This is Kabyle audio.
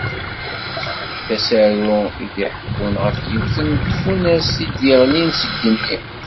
D asaru i d-iḥekkun ɣef yiwet n tfunast i d-yeɣlin seg igenni.